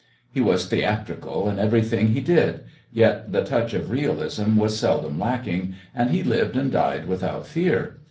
He was theatrical in everything he did; yet the touch of realism was seldom lacking, and he lived and died without fear.